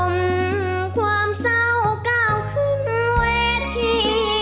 ความเศร้าก้าวขึ้นเวที